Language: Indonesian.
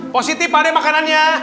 positif ada makanannya